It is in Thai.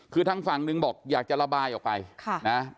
คือทางฝั่งหนึ่งบอกอยากจะระบายออกไปนะ